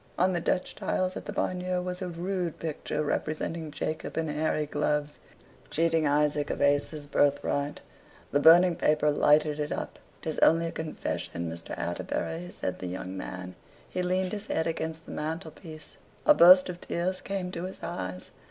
On the Dutch tiles at the Bagnio was a rude picture representing Jacob in hairy gloves, cheating Isaac of Esau's birthright. The burning paper lighted it up. "'Tis only a confession, Mr. Atterbury," said the young man. He leaned his head against the mantel piece: a burst of tears came to his eyes.